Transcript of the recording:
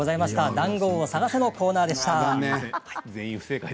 「ダンゴウオを探せ！」のコーナーでした。